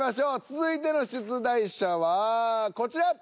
続いての出題者はこちら！